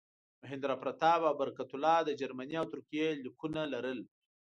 مهیندراپراتاپ او برکت الله د جرمني او ترکیې لیکونه لرل.